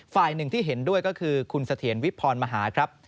ฝ่ายหนึ่งที่เห็นด้วยก็คือคุณเสถียรวิพรมหาครับ